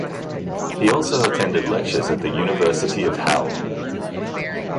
He also attended lectures at the University of Halle.